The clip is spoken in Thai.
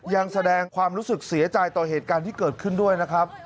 ยังแสดงความรู้สึกเสียใจต่อเหตุการณ์ที่เกิดขึ้นด้วยนะครับ